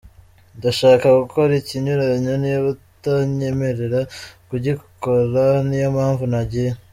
Ndashaka gukora ikinyuranyo, niba utanyemerera kugikora, niyo mpamvu nagiye.